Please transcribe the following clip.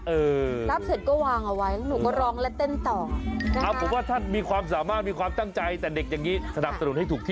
เออรับเสร็จก็วางเอาไว้หนูก็ร้องแล้วเต้นต่อ